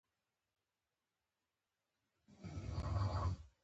کندهار د افغانستان د ځایي اقتصادونو بنسټ دی.